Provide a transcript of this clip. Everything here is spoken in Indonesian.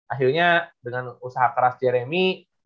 akhirnya dengan usaha keras jeremy